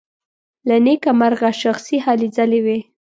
له نېکه مرغه شخصي هلې ځلې وې.